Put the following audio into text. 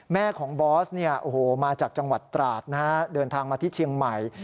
แม่ของบอสมาจากจังหวัดตราดนะฮะเดินทางมาที่เชียงใหม่